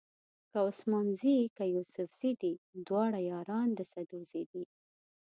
که عثمان زي که یوسفزي دي دواړه یاران د سدوزي دي.